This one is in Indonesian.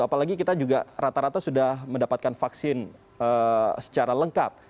apalagi kita juga rata rata sudah mendapatkan vaksin secara lengkap